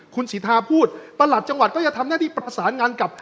คุณสิทธาพูดประหลัดจังหวัดก็จะทำหน้าที่ประสานงานกับ